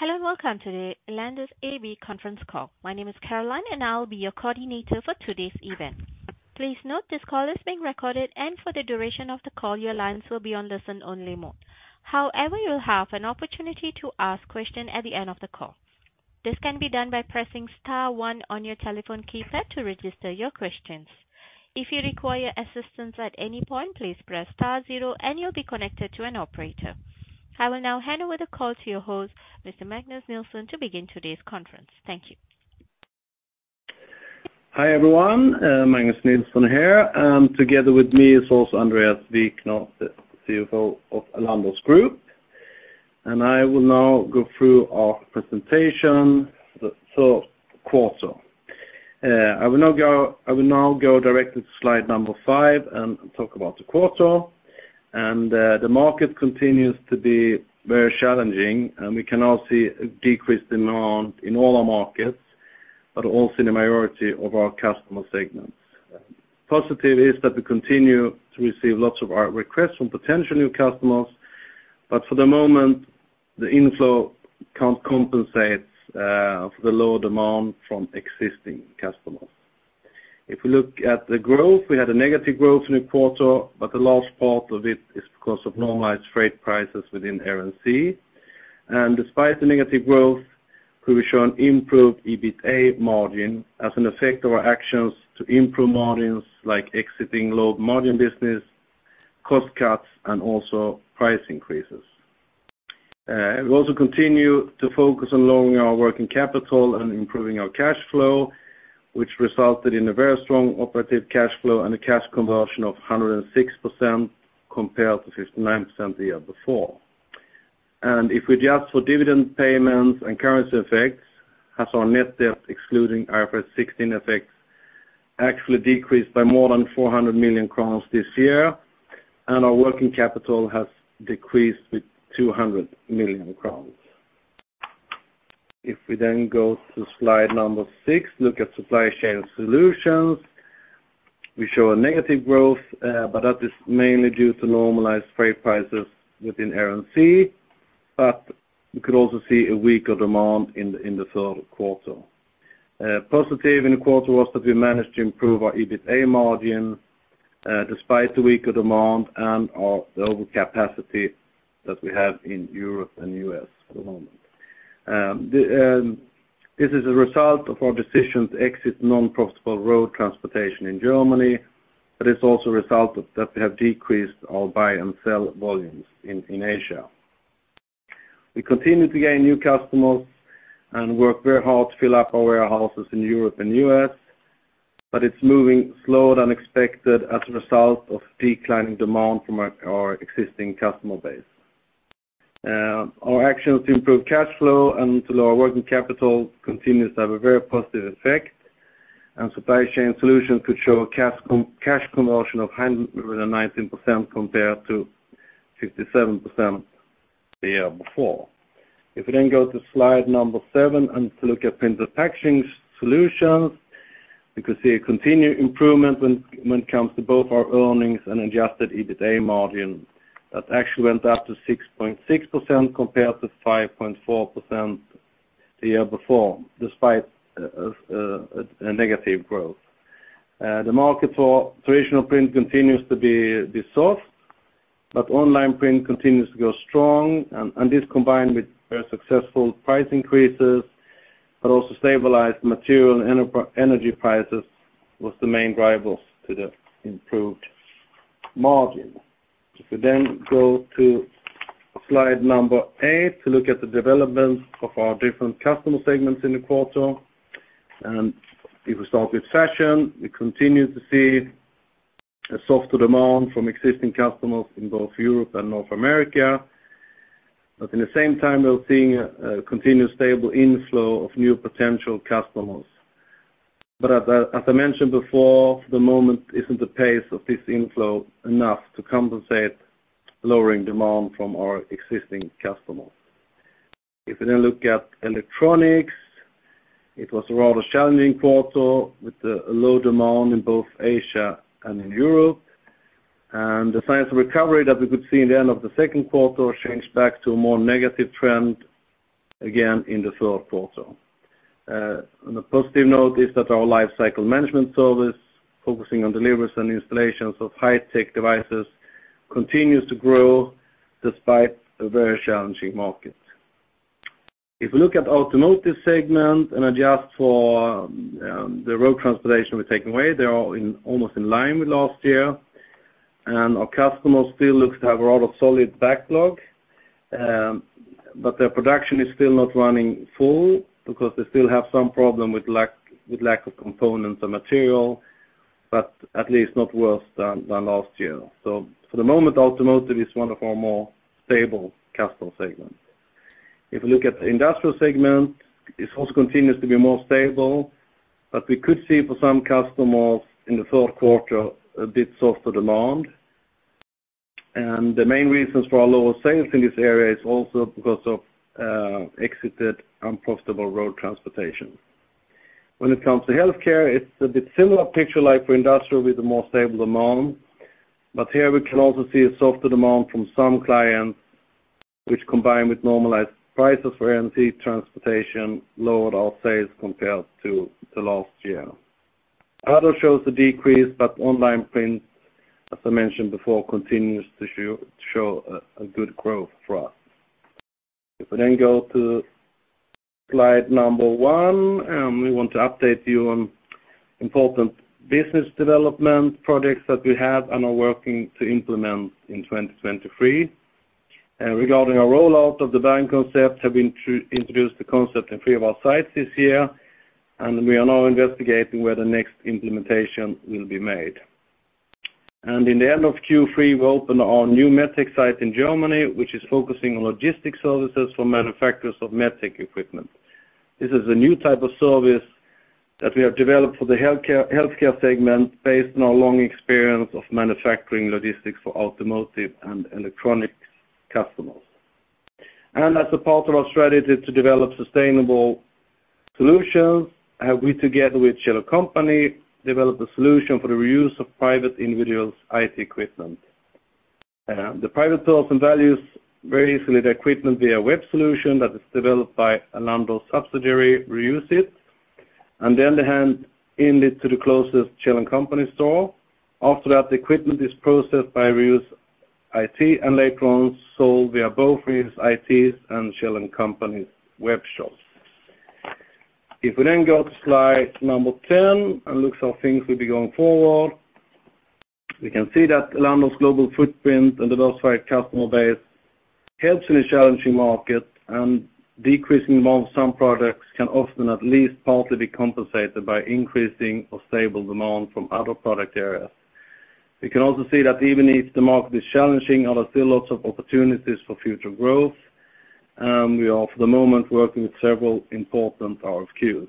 Hello, and welcome to the Elanders AB conference call. My name is Caroline, and I will be your coordinator for today's event. Please note, this call is being recorded, and for the duration of the call, your lines will be on listen-only mode. However, you'll have an opportunity to ask questions at the end of the call. This can be done by pressing star one on your telephone keypad to register your questions. If you require assistance at any point, please press star zero, and you'll be connected to an operator. I will now hand over the call to your host, Mr. Magnus Nilsson, to begin today's conference. Thank you. Hi, everyone, Magnus Nilsson here, together with me is also Andréas Wikner, the CFO of Elanders, and I will now go through our presentation, the third quarter. I will now go directly to slide number five and talk about the quarter. The market continues to be very challenging, and we can all see a decrease in all our markets, but also in the majority of our customer segments. Positive is that we continue to receive lots of RFQ requests from potential new customers, but for the moment, the inflow can't compensate for the lower demand from existing customers. If we look at the growth, we had a negative growth in the quarter, but the last part of it is because of normalized freight prices within Air & Sea. And despite the negative growth, we show an improved EBITA margin as an effect of our actions to improve margins, like exiting low-margin business, cost cuts, and also price increases. We also continue to focus on lowering our working capital and improving our cash flow, which resulted in a very strong operative cash flow and a cash conversion of 106%, compared to 59% the year before. And if we adjust for dividend payments and currency effects, as our net debt, excluding IFRS 16 effects, actually decreased by more than 400 million crowns this year, and our working capital has decreased with 200 million crowns. If we then go to slide number 6, look at supply chain solutions. We show a negative growth, but that is mainly due to normalized freight prices within Air & Sea, but we could also see a weaker demand in the third quarter. Positive in the quarter was that we managed to improve our EBITA margin, despite the weaker demand and the overcapacity that we have in Europe and U.S. at the moment. This is a result of our decision to exit non-profitable road transportation in Germany, but it's also a result that we have decreased our buy and sell volumes in Asia. We continue to gain new customers and work very hard to fill up our warehouses in Europe and U.S., but it's moving slower than expected as a result of declining demand from our existing customer base. Our actions to improve cash flow and to lower working capital continues to have a very positive effect, and Supply Chain Solutions could show a cash conversion of 119%, compared to 57% the year before. If we then go to slide number seven and to look at Print & Packaging Solutions, we could see a continued improvement when it comes to both our earnings and adjusted EBITA margin. That actually went up to 6.6%, compared to 5.4% the year before, despite a negative growth. The market for traditional print continues to be soft, but online print continues to go strong, and this, combined with very successful price increases, but also stabilized material and energy prices, was the main drivers to the improved margin. If we then go to slide number eight, to look at the development of our different customer segments in the quarter, and if we start with fashion, we continue to see a softer demand from existing customers in both Europe and North America. But in the same time, we're seeing a continued stable inflow of new potential customers. But as I mentioned before, the moment isn't the pace of this inflow enough to compensate lowering demand from our existing customers. If we then look at Electronics, it was a rather challenging quarter, with a low demand in both Asia and in Europe. And the signs of recovery that we could see in the end of the second quarter changed back to a more negative trend, again in the third quarter. On a positive note is that our Lifecycle Management Service, focusing on deliveries and installations of high-tech devices, continues to grow despite a very challenging market. If we look at Automotive segment and adjust for the road transportation we're taking away, they're all in, almost in line with last year. And our customers still looks to have a lot of solid backlog, but their production is still not running full because they still have some problem with lack of components and material, but at least not worse than last year. So for the moment, Automotive is one of our more stable customer segments. If we look at the Industrial segment, this also continues to be more stable, but we could see for some customers in the third quarter, a bit softer demand. The main reasons for our lower sales in this area is also because of exited unprofitable road transportation. When it comes to Healthcare, it's a bit similar picture like for Industrial, with a more stable demand. But here we can also see a softer demand from some clients, which combined with normalized prices for Air & Sea transportation, lowered our sales compared to last year. Other shows a decrease, but online print, as I mentioned before, continues to show a good growth for us. If we then go to slide number one, we want to update you on important business development projects that we have and are working to implement in 2023. And regarding our rollout of the buying concept, have introduced the concept in three of our sites this year, and we are now investigating where the next implementation will be made. In the end of Q3, we opened our new MedTech site in Germany, which is focusing on logistics services for manufacturers of MedTech equipment. This is a new type of service that we have developed for the Healthcare, Healthcare segment, based on our long experience of manufacturing logistics for Automotive and electronic customers. And as a part of our strategy to develop sustainable solutions, have we, together with Kjell & Company, developed a solution for the reuse of private individuals IT equipment. The private person values very easily the equipment via web solution that is developed by an Elanders subsidiary, Reuse IT, and then they hand in it to the closest Kjell & Company store. After that, the equipment is processed by Reuse IT, and later on, sold via both Reuse IT and Kjell & Company's web shops. If we then go to slide number 10 and look how things will be going forward, we can see that Elanders' global footprint and diversified customer base helps in a challenging market, and decreasing the amount of some products can often at least partly be compensated by increasing or stable demand from other product areas. We can also see that even if the market is challenging, are there still lots of opportunities for future growth, and we are, for the moment, working with several important RFQs.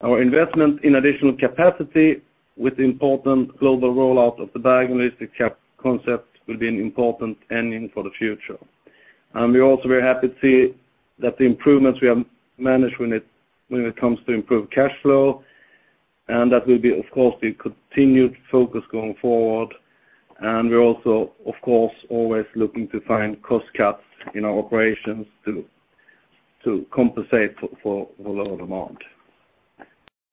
Our investment in additional capacity with important global rollout of the diagnostic cap concept will be an important ending for the future. We're also very happy to see that the improvements we have managed when it comes to improved cash flow, and that will be, of course, the continued focus going forward. We're also, of course, always looking to find cost cuts in our operations to compensate for the lower demand.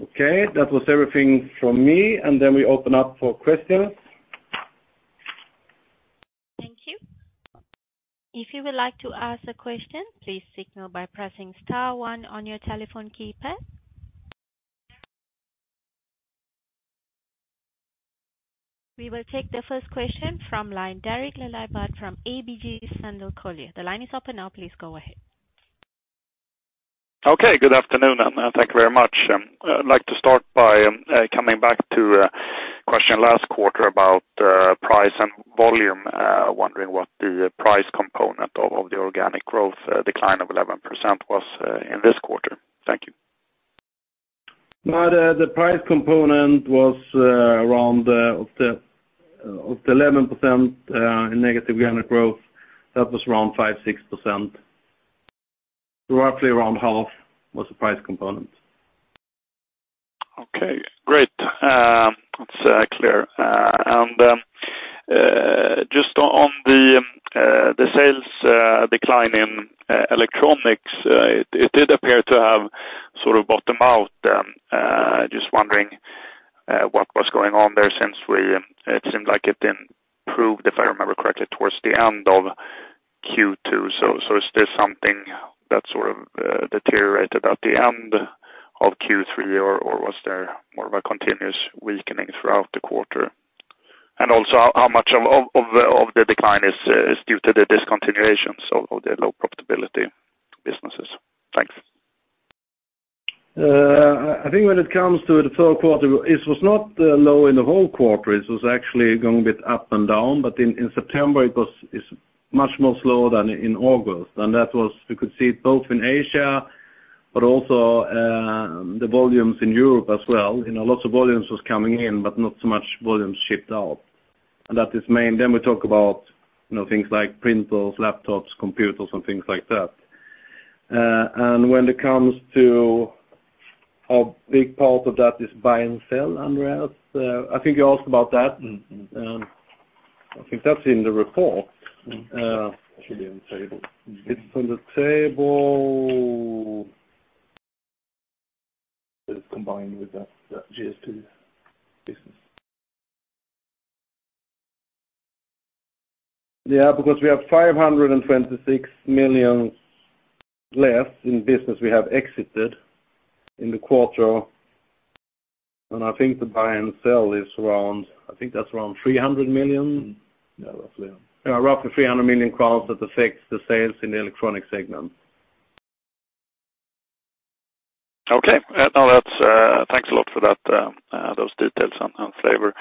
Okay, that was everything from me, and then we open up for questions. Thank you. If you would like to ask a question, please signal by pressing star one on your telephone keypad. We will take the first question from line, Derek Laliberte from ABG Sundal Collier. The line is open now. Please go ahead. Okay, good afternoon, and thank you very much. I'd like to start by coming back to a question last quarter about price and volume. Wondering what the price component of the organic growth decline of 11% was in this quarter? Thank you. Now, the price component was around of the 11% in negative organic growth. That was around 5-6%. Roughly around half was the price component. Okay, great. That's clear. And just on the sales decline in Electronics, it did appear to have sort of bottomed out. Just wondering what was going on there since it seemed like it improved, if I remember correctly, towards the end of Q2. So is this something that sort of deteriorated at the end of Q3, or was there more of a continuous weakening throughout the quarter? And also, how much of the decline is due to the discontinuations of the low profitability businesses? Thanks. I think when it comes to the third quarter, it was not low in the whole quarter. It was actually going a bit up and down, but in September, it was much more slower than in August, and that was. You could see it both in Asia, but also the volumes in Europe as well. You know, lots of volumes was coming in, but not so much volumes shipped out. And that is main. Then we talk about, you know, things like printers, laptops, computers, and things like that. And when it comes to how big part of that is buy and sell, Andréas, I think you asked about that. Mm-hmm. I think that's in the report. Should be in the table. It's on the table. It is combined with the GSP business. Yeah, because we have 526 million less in business we have exited in the quarter, and I think the buy and sell is around, I think that's around 300 million. Yeah, roughly. Yeah, roughly 300 million crowns that affect the sales in the electronic segment. Okay. Now, that's thanks a lot for that, those details and flavor.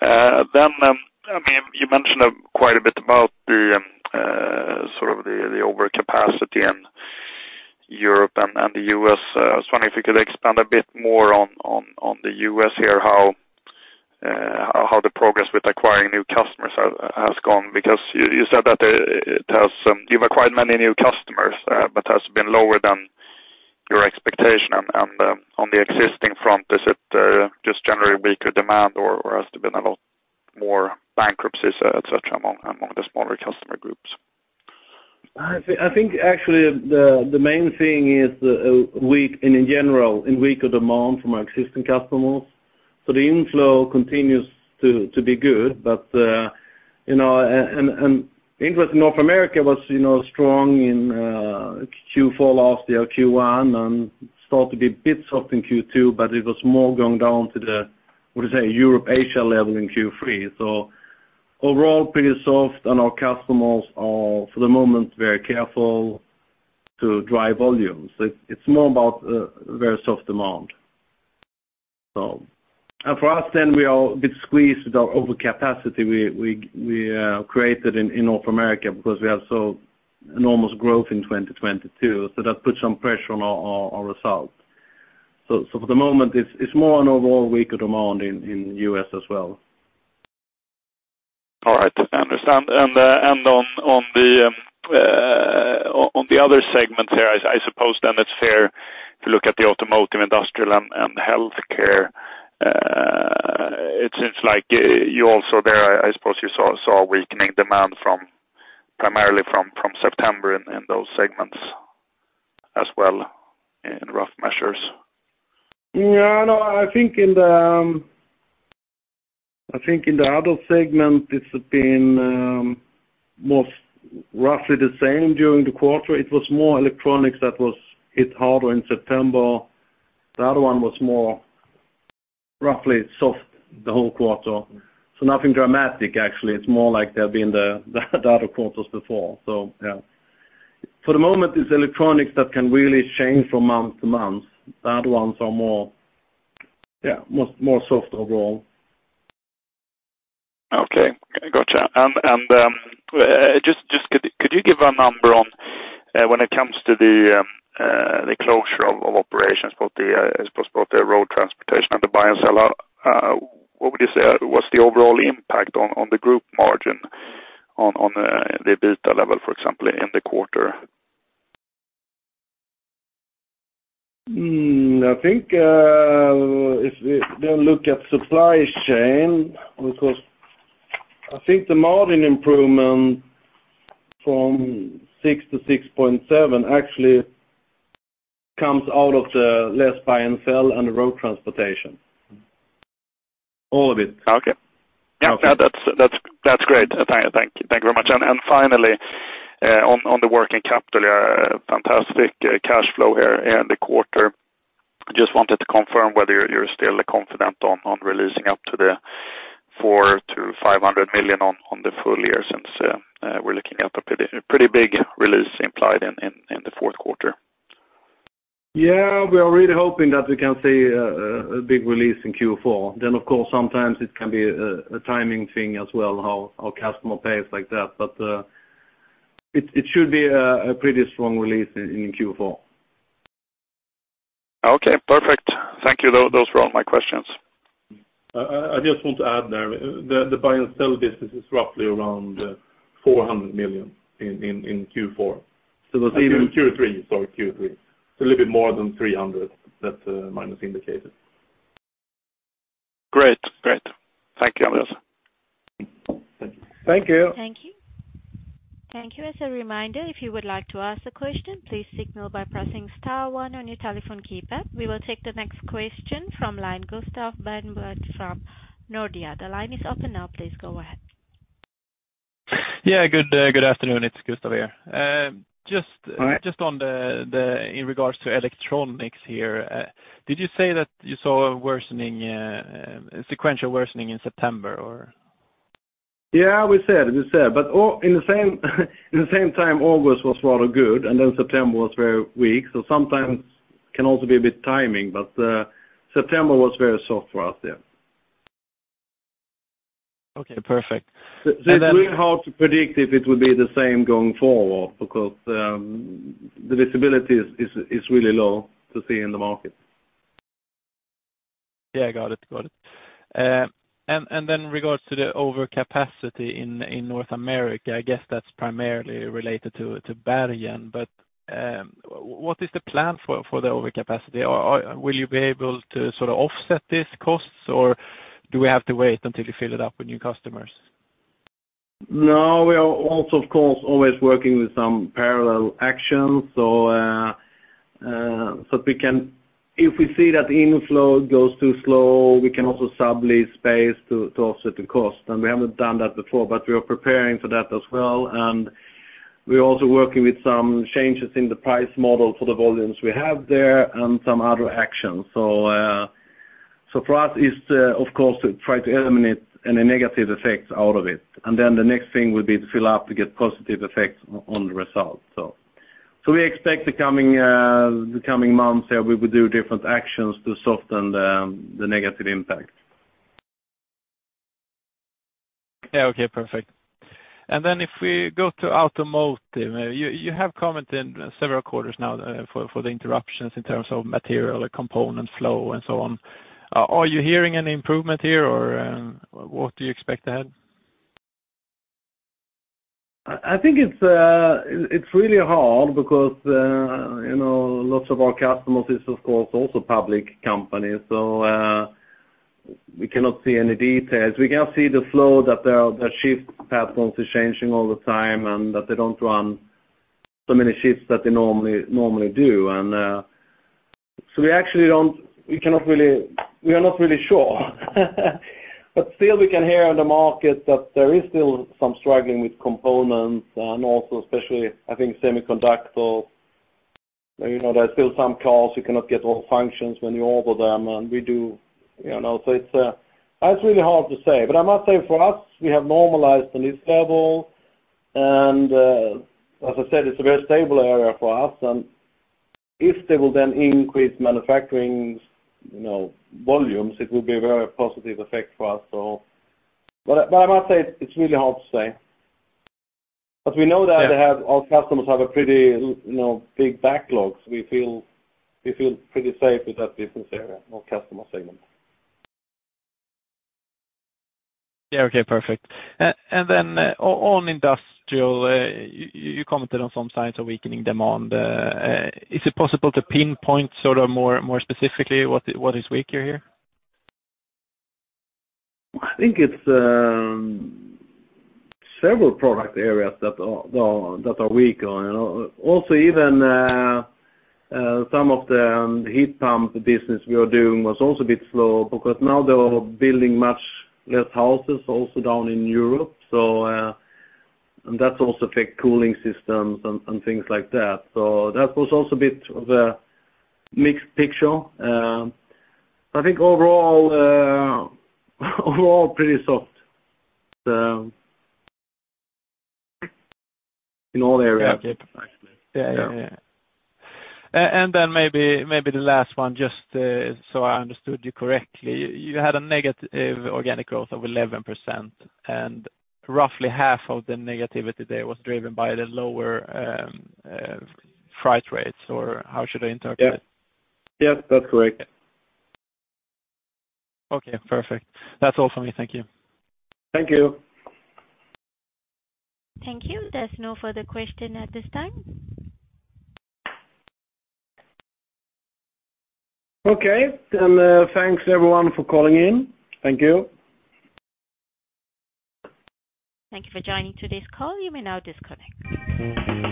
Then, I mean, you mentioned quite a bit about the sort of the overcapacity in Europe and the US. I was wondering if you could expand a bit more on the US here, how the progress with acquiring new customers has gone? Because you said that it has, you've acquired many new customers, but has been lower than your expectation. And on the existing front, is it just generally weaker demand, or has there been a lot more bankruptcies, et cetera, among the smaller customer groups? I think, I think actually the main thing is weak, and in general, weaker demand from our existing customers. So the inflow continues to be good, but you know, and interest in North America was you know, strong in Q4 last year, Q1, and started to be a bit soft in Q2, but it was more going down to the, we say, Europe, Asia level in Q3. So overall, pretty soft, and our customers are, for the moment, very careful to drive volumes. It's more about very soft demand. So and for us, then we are a bit squeezed with our overcapacity we created in North America because we have so enormous growth in 2022, so that puts some pressure on our results. For the moment, it's more an overall weaker demand in U.S. as well. All right, I understand. And on the other segment here, I suppose then it's fair to look at the Automotive, Industrial, and Healthcare. It seems like you also there, I suppose you saw weakening demand from, primarily from September in those segments as well, in rough measures. Yeah, no, I think in the other segment, it's been most roughly the same during the quarter. It was more Electronics that was hit harder in September. The other one was more roughly soft the whole quarter, so nothing dramatic actually. It's more like they have been the other quarters before, so, yeah. For the moment, it's Electronics that can really change from month to month. The other ones are more, yeah, more soft overall. Okay, gotcha. And just could you give a number on when it comes to the closure of operations, both the, I suppose, both the road transportation and the Buy and Sell, what would you say, what's the overall impact on the group margin on the EBITA level, for example, in the quarter? I think, if we then look at supply chain, because I think the margin improvement from 6%-6.7% actually comes out of the less buy and sell and the road transportation. All of it. Okay. Okay. Yeah, that's great. Thank you. Thank you very much. And finally, on the working capital, fantastic cash flow here in the quarter. Just wanted to confirm whether you're still confident on releasing up to 400 million-500 million on the full year since we're looking at a pretty big release implied in the fourth quarter. Yeah, we are really hoping that we can see a big release in Q4. Then, of course, sometimes it can be a timing thing as well, how our customer pays like that, but it should be a pretty strong release in Q4. Okay, perfect. Thank you. Those, those were all my questions. I just want to add there, the Buy and Sell business is roughly around 400 million in Q4. So Q3, sorry, Q3. So a little bit more than 300 million, that's minus indicated. Great. Great. Thank you, Andréas. Thank you. Thank you. Thank you. As a reminder, if you would like to ask a question, please signal by pressing star one on your telephone keypad. We will take the next question from line, Gustav Bernberg from Nordea. The line is open now. Please go ahead. Yeah, good day. Good afternoon, it's Gustav here. Just. All right. Just on the in regards to Electronics here, did you say that you saw a worsening sequential worsening in September, or? Yeah, we said, but at the same time, August was rather good, and then September was very weak. So sometimes can also be a bit timing, but September was very soft for us, yeah. Okay, perfect. It's really hard to predict if it would be the same going forward, because, the visibility is really low to see in the market. Yeah, got it. Got it. And then, regards to the overcapacity in North America, I guess that's primarily related to Bergen. But what is the plan for the overcapacity? Or will you be able to sort of offset these costs, or do we have to wait until you fill it up with new customers? No, we are also, of course, always working with some parallel actions. So, so we can... If we see that the inflow goes too slow, we can also sublease space to offset the cost, and we haven't done that before, but we are preparing for that as well. And we're also working with some changes in the price model for the volumes we have there and some other actions. So, so for us, it's, of course, to try to eliminate any negative effects out of it. And then the next thing would be to fill up to get positive effects on the results. So, we expect the coming months, that we will do different actions to soften the negative impact.... Yeah. Okay, perfect. And then if we go to Automotive, you have commented several quarters now for the interruptions in terms of material or component flow and so on. Are you hearing any improvement here, or what do you expect ahead? I think it's really hard because, you know, lots of our customers is, of course, also public companies. So, we cannot see any details. We can see the flow that their shift patterns is changing all the time, and that they don't run so many shifts that they normally do. So, we actually are not really sure. But still, we can hear on the market that there is still some struggling with components, and also especially, I think, semiconductors. You know, there are still some cars you cannot get all functions when you order them, and we do, you know, so it's really hard to say. But I must say for us, we have normalized the lead level, and, as I said, it's a very stable area for us, and if they will then increase manufacturing, you know, volumes, it will be a very positive effect for us, so. But I, but I must say it's, it's really hard to say. But we know that they have our customers have a pretty, you know, big backlogs. We feel, we feel pretty safe with that business area or customer segment. Yeah, okay, perfect. And then, on Industrial, you commented on some signs of weakening demand. Is it possible to pinpoint sort of more, more specifically, what is weaker here? I think it's several product areas that are, that are weaker, you know. Also, even some of the heat pump business we are doing was also a bit slow because now they're building much less houses, also down in Europe. So, and that's also affect cooling systems and, and things like that. So that was also a bit of a mixed picture. I think overall, overall, pretty soft, in all areas. Yeah. Okay. Yeah. Yeah, yeah, yeah. And then maybe, maybe the last one, just, so I understood you correctly, you had a negative organic growth of 11%, and roughly half of the negativity there was driven by the lower freight rates, or how should I interpret it? Yeah. Yes, that's correct. Okay, perfect. That's all for me. Thank you. Thank you. Thank you. There's no further question at this time. Okay. Thanks, everyone, for calling in. Thank you. Thank you for joining today's call. You may now disconnect.